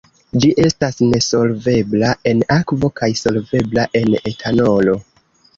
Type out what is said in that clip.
Ĝi estas nesolvebla en akvo kaj solvebla en etanolo.